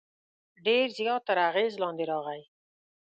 ډېر زیات تر اغېز لاندې راغی.